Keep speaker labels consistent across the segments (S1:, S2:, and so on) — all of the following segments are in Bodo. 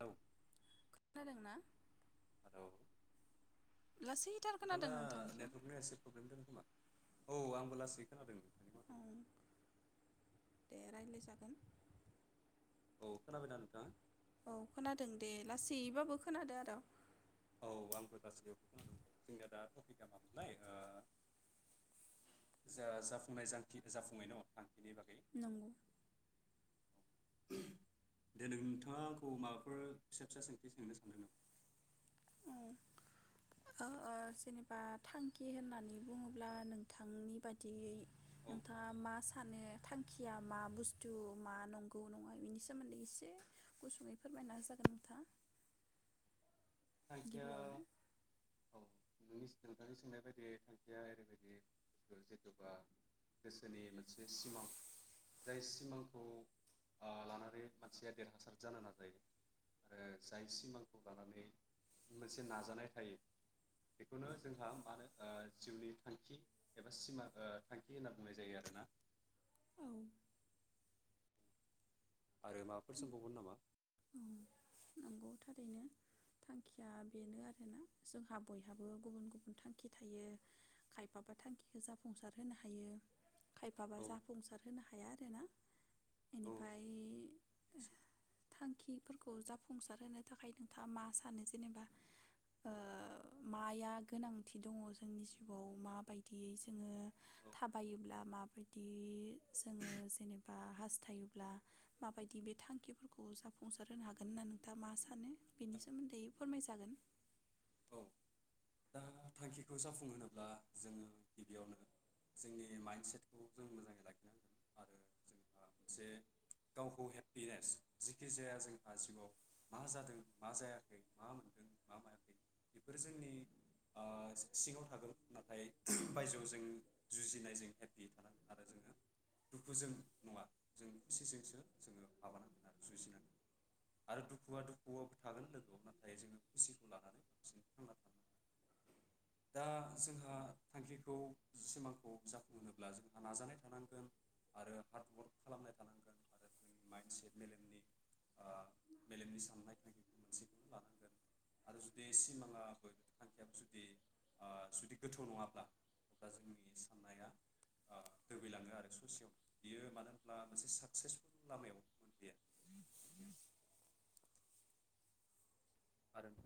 S1: औ
S2: खो-नादों ना लासैथार
S1: नोंथाङा
S2: खोनादों नोंथांनिखौ
S1: नेटवर्कनि एसे प्रब्लेम दं खोमा। औ आंबो लासै खोनादों।
S2: औ
S1: माथोखौ
S2: दे राइलाय जागोन
S1: औ खोनाबायना नोंथां?
S2: औ खोनादों दे लासैयैबाबो खोनादो आरो
S1: औ आंबो लासैबाबो खोनादों जोंनिया दा टपिकआ मामोनलाय ओ जा जाफुंनाय जांखि जाफुंनाय दङ बिनि बागै
S2: नंगौ।
S1: [unintelligible] दे नोंथाङा आंखौ माबाफोर फिसा फिसा सोंथि सोंनो सानदों नामा?
S2: औ ओ ओ जेनेबा थांखि होननानै बुङोब्ला नोंथांनि बादियै
S1: औ
S2: नोंथाङा मा सा सानो थांखिया मा बुस्थु मा नंगौ नङा बिनि सोमोन्दै एसे गुसुंङै फोरमायना होजागोन नोंथां
S1: थांखिया औ नोंनि नोंथांनि सोंनाय बायदियै थांखिया ओरैबायदि जिथबा गोसोनि मोनसे सिमां जाय सिमांखौ ओ लानानै मानसिया देरहासार जानो नाजायो आरो जाय सिमांखौ लानानै मोनसे नाजानाय थायो बेखौनो जोंहा मा होनो जिउनि थांखि एबा सिमां ओ थांखि होनना बुंनाय जायो आरोना
S2: औ
S1: आरो माबाफोर सोंबावगोन नामा?
S2: औ नंगौ थारैनो थांखिया बेनो आरोना जोंहा बयहाबो गुबुन गुबुन थांखि थायो खायफाबा थांखिखो जाफुंसार होनो हायो खायफाबा
S1: औ
S2: जाफुंसार होनो हाया आरोना
S1: औ
S2: इनिफाय थांखिफोरखौ जाफुंसार होनो थाखाय नोंथाङा मा सानो जेनेबा ओ माया गोनांथि दङ जोंनि जिउआव माबायदियै जोङो थाबायोब्ला माबायदि जोङो जेनेबा हास्थायोब्ला माबायदि बे थांखिफोरखौ जाफुंसार होनो हागोन होनना नोंथाङा मा सानो बेनि सोमोन्दै फोरमायजागोन।
S1: औ दा थांखिखौ जाफुंहोनोब्ला जोङो गिबियावनो जोंनि माइनसेतखौ जों मोजाङै लाखिनांगोन आरो जोंहा जे गावखौ हेपिनेस जिखि जाया जोंहा जिउआव मा जादों मा जायाखै मा मोनदों मा मोनाखै बेफोरो जोंनि ओ सिङाव थागोन नाथाय [unintelligible] बायजोआव जों जुजिनाय जों हेपि थानांगोन आरो जोङो दुखुजों नङा जों खुसिजोंसो जोङो माबानांगोन आरो जुजिनांगोन आरो दुखुआ दुखुआव थागोन लोगोआव नाथाय जोङो खुसिखौ लानानै [unintelligible] दा जोंहा थांखिखौ सिमांखौ जाफुंहोब्ला जोंहा नाजानाय थानांगोन आरो हार्डवर्क खालामनाय थानांगोन आरो जोंनि माइनसेट मेलेमनि ओ मेलेमनि साननाय थांखिखौ मोनसेखौ लानांगोन आरो जुदि सिमाङाबै थांखियाबो जुदि ओ जुदि गोथौ नङाब्ला अब्ला जोंनि साननाया ओ दोबैलाङो आरो ससेयाव बियो मानो होनब्ला मोनसे साकसेसफुल लामायाव बियो आरो [inaudible]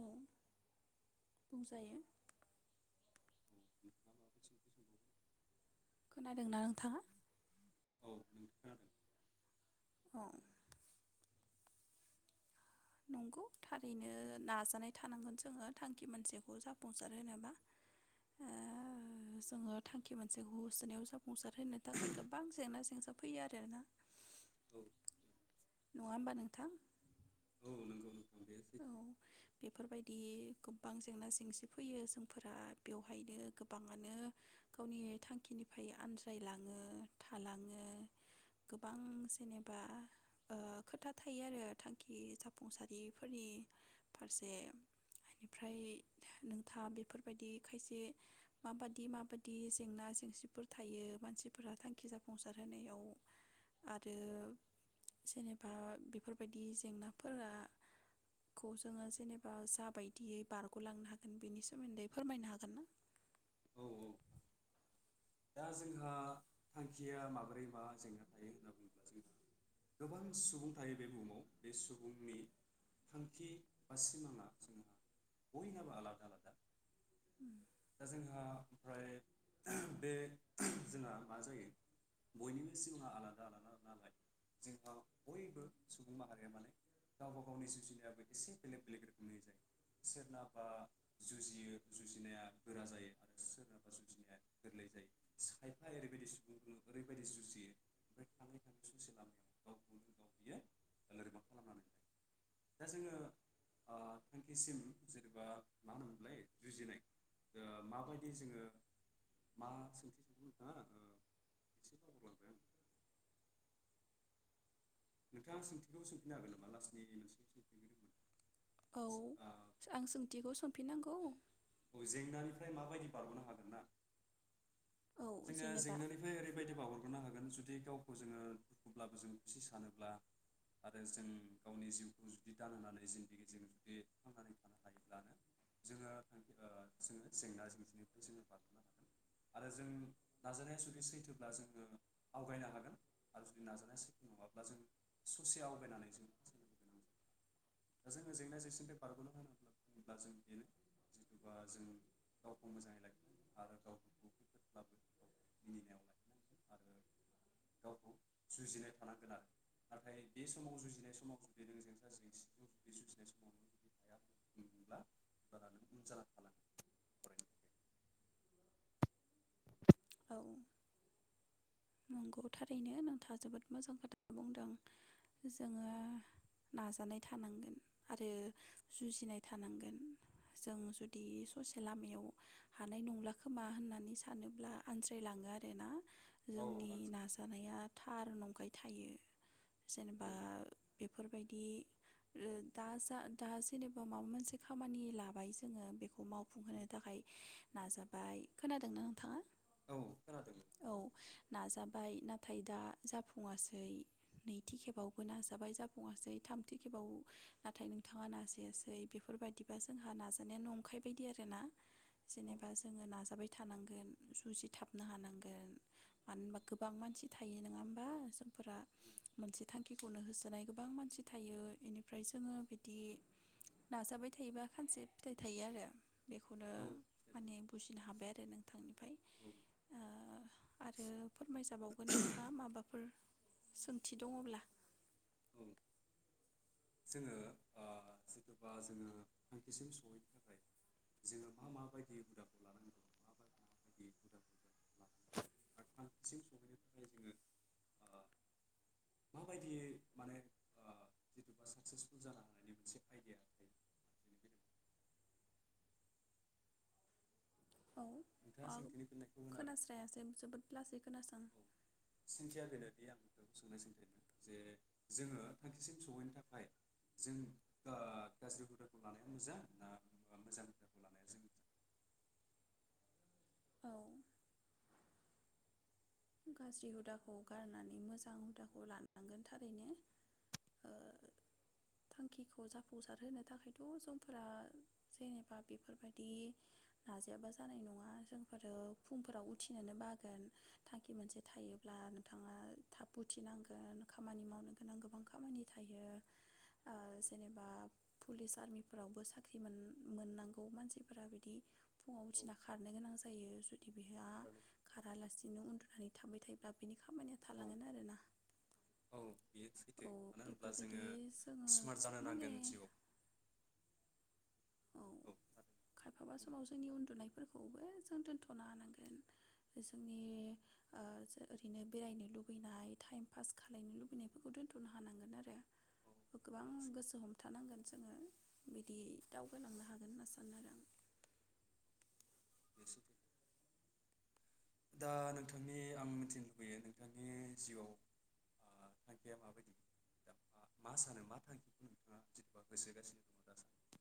S2: औ बुंजायो
S1: [inaudible]
S2: खोनादोंना नोंथाङा?
S1: औ नोंथाङानो।
S2: अ नंगौ थारैनो नाजानाय थानांगोन जोङो थांखि मोनसेखौ जाफुंसार होनोबा ओ जोङो थांखि मोनसेखौ होसोनायाव जाफुंसार होनो थाखाय गोबां जेंना जेंसा फैयो आरोना
S1: औ [inaudible]
S2: नङा होमबा नोंथां
S1: औ नंगौ नोंथां बे सैथो
S2: औ बेफोरबायदियै गोबां जेंना-जेंसि फैयो जोंफोरा बेवहायनो गोबाङानो गावनि थांखिनिफ्राय आनज्रायलाङो थालाङो गोबां जेनेबा ओ खोथा थायो आरो थांखि जाफुंसारि फोरनि फारसे बेनिफ्राय नोंथाङा बेफोरबायदि खायसे माबादि माबादि जेंना-जेंसिफोर थायो मानसिफोरा थांखि जाफुंसार होनायाव आरो जेनेबा बेफोरबायदि जेंनाफोरा खौ जोङो जेनेबा जा बायदियै बारगलांनो हागोन बेनि सोमोन्दै फोरमायनो हागोन ना
S1: औ औ दा जोंहा थांखिया माबोरै मा जेंना थायो होनना बुङोब्ला जों गोबां सुबुं थायो बे बुहुमाव बे सुबुंनि थांखि बा सिमाङा जोंहा बयनाबो आलादा आलादा दा जोंहा ओमफ्राय [unintelligible] बे जोंहा मा जायो बयनिबो जिउआ आलादा आलादा नालाय जों बयबो सुबुं माहारिया माने गावबा गावनि जुजिनायाबो एसे बेलेग बेलेग रोखोमनि जायो सोरनाबा जुजियो जुजिनाया गोरा जायो आरो सोरनाबा जुजिनाया गोरलै जायो। खायफा ओरैबायदि सुबुं ओरैबायदि जुजियो ओमफ्राय थाङै थाङै ससे लामायाव गावखौनो गाव बियो लोरबां खालामनानै लायो। दा जोङो ओ थांखिसिम जेनेबा मा होनोमोनलाय जुजिनाय माबायदि जोङो मा सोंथि सोंदों नोंथाङा एसे [unintelligible] लांगोन? नोंथाङा सोंथिखौबो सोंफिननो हागोन नामा लास्टनि मोनसे सोंथिया मा दोंमोन?
S2: औ आं सोंथिखौ सोंफिननांग औ।
S1: औ जेंनानिफ्राय माबायदि बारग'नो हागोन ना?
S2: औ
S1: जोङो
S2: जेनेबा
S1: जेंनानिफ्राय ओरैबायदि [unintelligible] हागोन जु दि गावखौ जोङो दुखुब्लाबो जों खुसि सानोब्ला आरो जों गावनि जिउखौ जुदि दानहोनानै जिन्दगिजों जुदि थांनानै थानो हायोब्लानो जोङो ओ जोङो जेंना जेंजिनिफ्राय जोङो बारहनो हागोन आरो जों नाजानाया जुदि सैथोब्ला जोङो आवगायनो हागोन आरो जुदि नाजानाया सैथो नङाब्ला जों ससे आवगायनानै जों फावसायनोबो गोनां जागोन। दा जोङो जेंना जेंसिनिफ्राय बारगनो होनोब्ला बुङोब्ला जों बेनो जिथुबा जों गावखौ मोजाङै लाखिनांगोन आरो गावफोरखौ खैफोदब्लाबो गाव मिनिनायाव लाखिनांगोन आरो गावखौ जुजिनाय थानांगोन आरो नाथाय बे समाव जुजिनाय समाव जुदि नों जेंना जेंसि [unintelligible]
S2: औ। नंग थारैनो नोंथाङा जोबोद मोजां खोथा बुंदों। जोङो नाजानाय थानांगोन आरो जुजिनाय थानांगोन जों जुदि ससे लामायाव हानाय नंला खोमा होननानै सानोब्ला आनज्रायलाङो आरोना।
S1: औ
S2: जोंनि
S1: आं
S2: नाजानाया थार नंखाय थायो।
S1: औ
S2: जेनेबा बेफोरबाय दि दा जा दा जेनेबा माबा मोनसे खामानि लाबाय जोङो बेखौ माव फुंहोनो थाखाय नाजाबाय। खोनादोंना नोंथाङा?
S1: औ खोनादो।
S2: औ नाजाबाय नाथाय दा जाफुङासै, नैथि खेबावबो नाजाबाय जाफुङासै, थामथि खेबाव नाथाय नोंथाङा नाजायासै बेफोरबायदिबा जोंहा नाजानाया नंखाय बायदि आरोना। जेनेबा जोङो नाजाबाय थानांगोन, जुजिथाबनो हानांगोन। मानो होनबा गोबां मानसि थायो नोङा होमबा जोंफोरा मोनसे थांखिखौनो होसोनाय गोबां मानसि थायो इनिफ्राय जोङो बिदि नाजाबाय थायोबा खानसे फिथाइ थायो आरो। बेखौनो माने बुजिनो हाबाय आरो नोंथांनिफाय।
S1: औ
S2: ओ आरो फोरमायजाबावगोन नोंथाङा माबा फोर सोंथि दंङब्ला।
S1: [inaudible] जोङो आ जेनेबा जोङो थांखिसिम सहैनो थाखाय जोङो मा माबायदि हुदाखौ लानांगौ मा माबायदि हुदाखौ आरो थांखिसिम सौहैनो थाखाय जोङो ओ माबायदियै माने ओ साक्सेसफुल जालांनायनि मोनसे आइडिया थायो। बेनिखायनो नोंथाङा
S2: औ
S1: सोंथिनि फिननायखौ होनो हागोन
S2: खोनास्रायासै जोबोद लासै खोनासां।
S1: होनोदि आं [inaudible] जे जोङो थांखिसिम सौहैनो थाखाय जों ओ गाज्रि हुदाखौ लानाया मोजां ना मोजां हुदाखौ लानाया जों मोजां?
S2: औ गाज्रि हुदाखौ गारनानै मोजां हुदाखौ लानांगोन थारैनो ओ थांखिखौ जाफुंसारहोनो थाखायथ' जोंफोरा जेनेबा बेफोरबादि नाजायाबा जानाय नङा जोंफोरो फुंफोराव उथिनोनो बागोन। थांखि मोनसे थायोब्ला नोंथाङा थाब उथिनांगोन खामानि मावनो गोनां गोबां खामानि थायो ओ जेनेबा पुलिस आर्मिफोरावबो साख्रि मोन-मोननांगौ मानसिफोरा बिदि फुङाव
S1: औ
S2: उथिना खारनो गोनां जायो जुदि बेहा
S1: औ
S2: खारालासिनो उन थांबाय थायोब्ला बेनि खामानिया थालांगोन आरोना
S1: औ बेयो सैथो
S2: औ
S1: मानो होनब्ला
S2: बेफोरबायदि
S1: जोङो
S2: जोङो
S1: स्मार्ट जानो
S2: माने
S1: नांगोन जिउआव
S2: औ खायफाबा
S1: बुंलाय।
S2: समाव जोंनि उन्दुनाय फोरखौबो जों दोनथनो हानांगोन जोंनि ओ जो ओरैनो बेरायनो लुगैनाय टाइम पास खालायनो लुबैनायफोरखौ दोन्थनो हानांगोन आरो
S1: औ
S2: गोबां
S1: बे सैथो
S2: गोसो हमथानांगोन जोङो बिदि दावगालांनो हागोन होनना सानो आरो आं
S1: [inaudible] दा नोंथांनि आं मिथिनो लुबैयो नोंथांनि जिउआव ओ थांखिया माबायदि दा मा सानो मा थांखिखौ नोंथाङा जेनबा गोसोहोगासिनो दङ दा सानदि?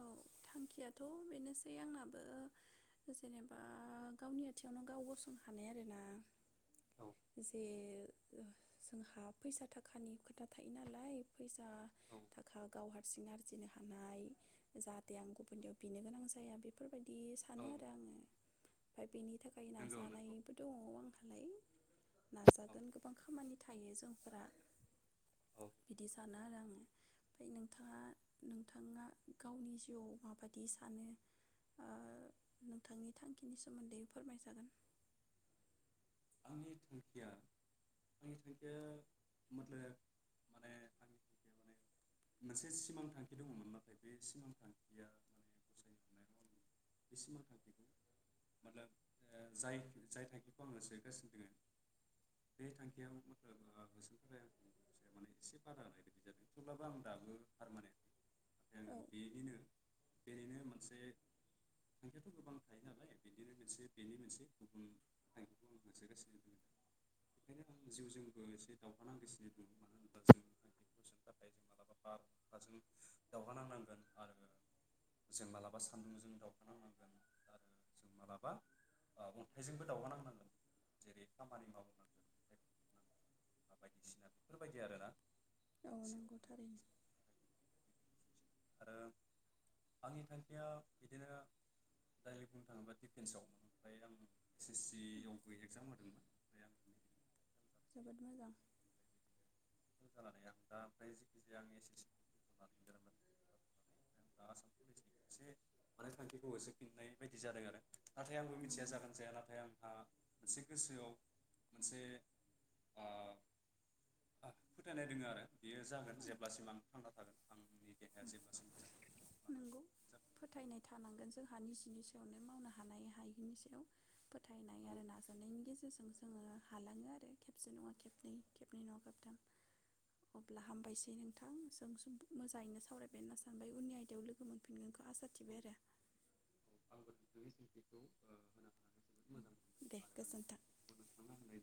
S2: औ थांखियाथ बेनोसै आंनाबो जेनेबा गावनि आथिंङावनो गाव गसंहानाय आरोना
S1: औ
S2: जे जोंहा फैसा थाखानि खोथा थायो नालाय फैसा
S1: औ
S2: थाखा गाव हारसिं आरजिनो हानाय जाहाथे आं गुबुनियाव बिनो गोनां जाया बेफोर बायदि दि सानो
S1: औ
S2: आरो आङो फ्राय बेनि थाखाय
S1: नंगौ नंगौ
S2: नाजानायबो दङ आंहालाय
S1: औ
S2: नाजागोन गोबां खामानि थायो जोंफोरा
S1: औ
S2: बिदि सानो आरो आङो ओमफ्राय नोंथाङा नोंथाङा गावनि जिउआव माबादि सानो ओ नोंथांनि थांखिनि सोमोन्दै फोरमायजागोन
S1: आंनि थांखिया आंनि थांखिया मने माने आंनि थांखिया माने मोनसे सिमां थांखि दङमोन नाथाय बे सिमां थांखिया माने गसायनि अननायाव आं बे सिमां थांखिखौ मातलाब जाय जाय थांखिखौ आङो हो सो गासिनो दोङो बे थांखियाव मानो होसोनो थाखाय आं माने एसे बारा होनाय बायदि जादों थेवब्लाबो आं दाबो फारमानेटलि नाथाय
S2: औ
S1: आङो बेनिनो बेनिनो मोनसे थांखियाथ गोबां थायो नालाय बेनिनो मोनसे बेनि मोनसे गुबुन थांखि गुबन मोनसे गोसोहोदों बेखायनो आं जिउजोंबो एसे दावहानांगासिनो दं मानो होनोबा [inaudible] थाखाय जों मालाबा अखाजों दावहा नांनांगोन आरो जों मालाबा सान्दुंजों दावहानांनांगोन आरो जों मालाबा अन्थाइजोंबो दावहानांनांगोन जेरै खामानि मावोबा बायदिसिना [inaudible] बेफोरबायदि आरोना
S2: औ
S1: जिउआव
S2: नंगौ
S1: माने
S2: थारैनो
S1: आरो आंनि थांखिया बिदिनो दायरेग बुंनो थाङोबा डिफेन्सआवमोन ओमफ्राय आं ए सि सि आवबो एगजाम होदोंमोन ओमफ्राय आं। जानायसै
S2: जोबोद मोजां।
S1: ओमफ्राय बिदिनो जानानै आं दा ओमफ्राय जिखि जाया आं ए सि सि लानानै आसाम पुलिसनि मोनसे थांखिखौ होसोफिननाय बायदि जादों आरो नाथाय आंबो मिथिया
S2: नंगौ
S1: जागोन जाया नाथाय आंहा मोनसे गोसोआव मोनसे आ फोथायनाय दङ आरो बियो जागोन
S2: औ
S1: जेब्लासिम आं थांना थागोन आं।
S2: नंगौ
S1: जाफिनगोन
S2: फोथायनाय थानांगोन जोंहा निस बिनि सायावनो मावनो हानाय हायिनि सायाव फो फोथायनाय
S1: औ
S2: आरो नाजानायनायनि गेजेरजों। जों जोङो हालाङो आरो खेबसे नङा खेबनै खेबनै नङा खेबथाम अब्ला हामबायसै नोंथां जों मोजाङैनो [inaudible] सावरायबाय होनना सानबाय उननि आयदायाव लोगो मोनफिनगोनखौ आसा
S1: औ
S2: थिबाय आरो।
S1: [inaudible] हानानै जोबोद मोजां मोनबाय आरो
S2: दे गोजोन्थों।
S1: आंनि सोंथिखौबो नोंथाङा होनाय